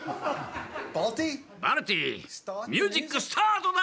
バルティミュージックスタートだ！